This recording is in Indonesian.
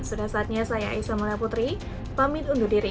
suara saatnya saya aissa last but dri